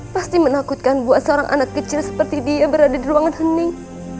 pasti menakutkan buat seorang anak kecil seperti dia berada di ruangan hening